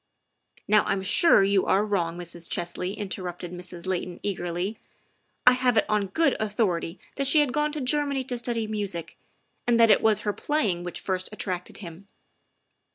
" Now I'm sure you are wrong, Mrs. Chesley," inter rupted Mrs. Layton eagerly. " I have it on good authority that she had gone to Germany to study music, and that it was her playing which first attracted him."